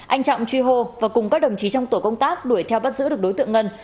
anh trọng truy hô và cùng các đồng chí trong tổ công tác đuổi theo bắt giữ được đối tượng ngân